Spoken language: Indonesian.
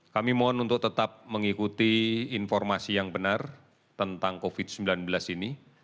kami mohon untuk tetap mengikuti informasi yang benar tentang covid sembilan belas ini